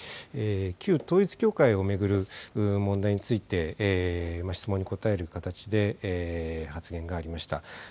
旧統一教会を巡る問題について質問に答える形で発言がありました。